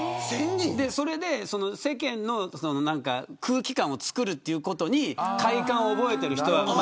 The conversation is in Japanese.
それで世間の空気感を作るということに快感を覚えている人が。